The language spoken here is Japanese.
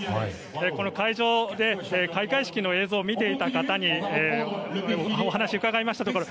この会場で開会式の映像を見ていた方にお話を伺ったところ